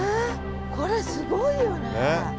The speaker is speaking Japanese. これすごいよね。